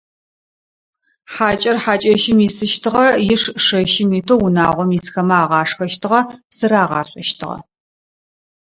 Хьакӏэр хьакӏэщым исыщтыгъэ, иш шэщым итэу унагъом исхэмэ агъашхэщтыгъэ, псы рагъашъощтыгъэ.